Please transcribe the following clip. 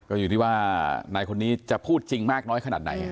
ก็อยู่ที่ว่านายคนนี้จะพูดจริงมากน้อยขนาดไหน